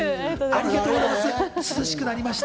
ありがとうございます。